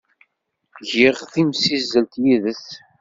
Giɣ timsizzelt yid-s.